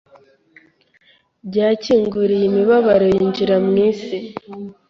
byakinguriye imibabaro yinjira mu isi.